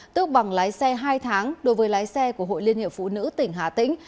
tước bằng lái xe hai tháng đối với lái xe của hội liên hiệp phụ nữ tỉnh hà tĩnh